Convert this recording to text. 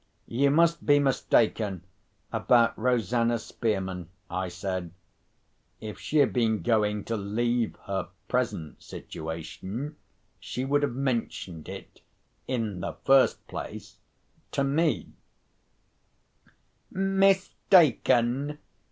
"You must be mistaken about Rosanna Spearman," I said. "If she had been going to leave her present situation, she would have mentioned it, in the first place, to me." "Mistaken?"